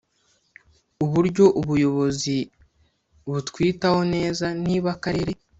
uburyo ubuyobozi butwitaho neza niba Akarere